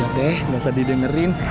liat deh gak usah didengerin